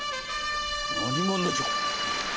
何者じゃ？